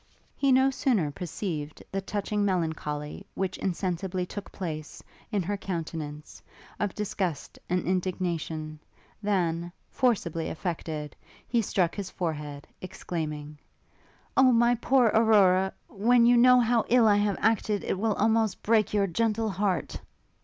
He no sooner perceived the touching melancholy which insensibly took place, in her countenance, of disgust and indignation, than, forcibly affected, he struck his forehead, exclaiming, 'Oh, my poor Aurora! when you know how ill I have acted, it will almost break your gentle heart!'